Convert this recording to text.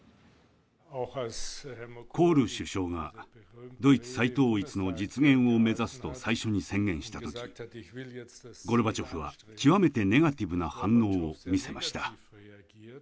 コール首相が「ドイツ再統一の実現を目指す」と最初に宣言した時ゴルバチョフは極めてネガティブな反応を見せました。